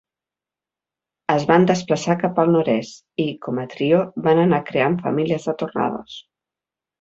Es van desplaçar cap al nord-est i, com a trio, van anar creant famílies de tornados.